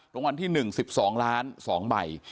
รางวัลที่๑๑๒ล้าน๒ใบ